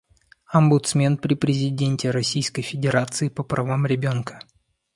Омбудсмен при президенте Российской Федерации по правам ребёнка.